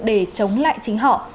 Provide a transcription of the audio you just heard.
để chống lại chính họ